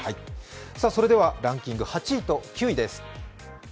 それではランキング８位と９位です。